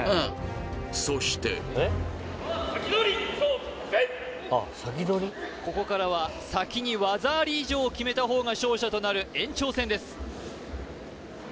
そしてここからは先に技あり以上を決めた方が勝者となる延長戦です